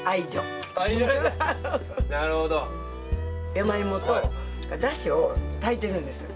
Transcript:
山芋とだしを炊いてるんです。